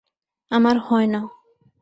আমার হয় না।